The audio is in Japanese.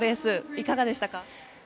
いかがでしたか？